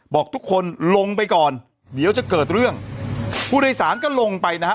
บอกทุกคนลงไปก่อนเดี๋ยวจะเกิดเรื่องผู้โดยสารก็ลงไปนะฮะ